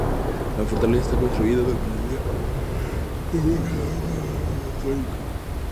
La fortaleza está construida de albañilería y bloques de roca de origen volcánico.